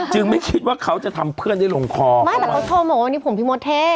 ไม่คิดว่าเขาจะทำเพื่อนได้ลงคอไม่แต่เขาโทรมาว่านี่ผมพี่มดเท่